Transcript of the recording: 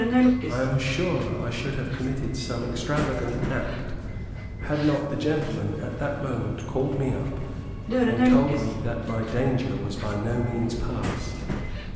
I am sure I should have committed some extravagant act had not the gentleman at that moment called me up, and told me that my danger was by no means past.